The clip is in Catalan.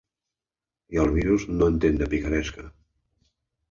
I el virus no entén de picaresca.